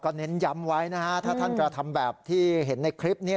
เน้นย้ำไว้นะฮะถ้าท่านกระทำแบบที่เห็นในคลิปนี้